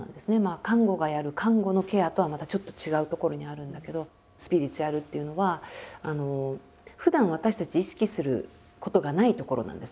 看護がやる看護のケアとはまたちょっと違うところにあるんだけどスピリチュアルっていうのはふだん私たち意識することがないところなんですね。